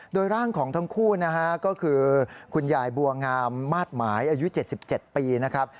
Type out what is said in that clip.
โดยร่างของทั้งคู่นะฮะก็คือคุณยายบัวงามมาสหมายอายุ๗๗ปีนะครับ